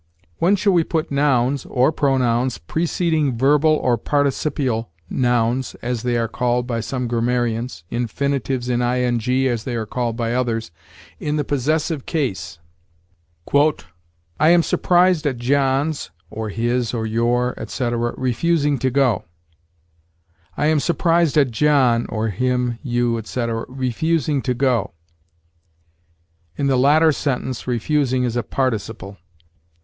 When shall we put nouns (or pronouns) preceding verbal, or participial, nouns, as they are called by some grammarians infinitives in ing, as they are called by others in the possessive case? "'I am surprised at John's (or his, your, etc.) refusing to go.' 'I am surprised at John (or him, you, etc.) refusing to go.' [In the latter sentence refusing is a participle.